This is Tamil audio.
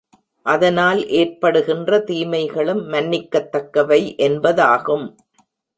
அதனால் ஏற்படுகின்ற தீமைகளும் மன்னிக்கத் தக்கவை என்பதாகும்.